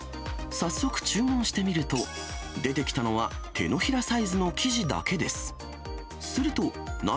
早速、注文してみると、出てきたのは、手のひらサイズの生地だけです。